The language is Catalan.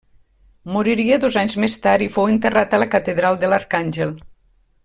Moriria dos anys més tard i fou enterrat a la Catedral de l'Arcàngel.